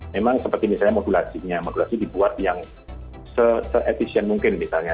memang seperti misalnya modulasinya modulasi dibuat yang se efisien mungkin misalnya